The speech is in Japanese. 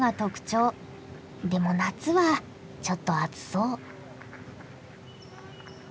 でも夏はちょっと暑そう。